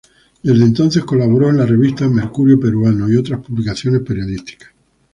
Desde entonces colaboró en la revista "Mercurio Peruano" y otras publicaciones periodísticas.